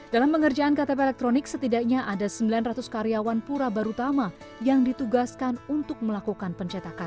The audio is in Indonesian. dalam pengerjaan ktp elektronik setidaknya ada sembilan ratus karyawan pura barutama yang ditugaskan untuk melakukan pencetakan